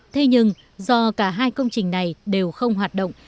thế nhưng do cả hai công trình này đều không hoạt động